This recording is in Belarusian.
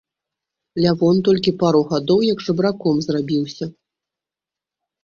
Лявон толькі пару гадоў як жабраком зрабіўся.